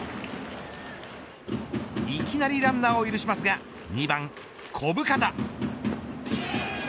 いきなりランナーを許しますが２番小深田。